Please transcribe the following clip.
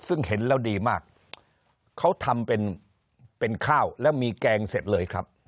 ซึ่งเห็นแล้วดีมากเขาทำเป็นเป็นข้าวแล้วมีแกงเสร็จเลยครับ